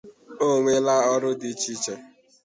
O nweela ọrụ dị iche iche.